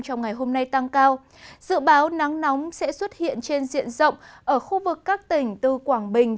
trong ngày hôm nay tăng cao dự báo nắng nóng sẽ xuất hiện trên diện rộng ở khu vực các tỉnh từ quảng bình